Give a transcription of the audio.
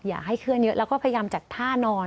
อย่าให้เคลื่อนเยอะแล้วก็พยายามจัดท่านอน